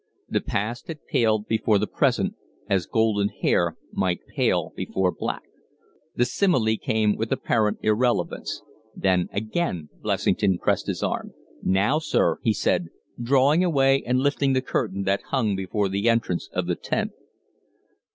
The past had paled before the present as golden hair might pale before black. The simile came with apparent irrelevance. Then again Blessington pressed his arm. "Now, sir!" he said, drawing away and lifting the curtain that hung before the entrance of the tent.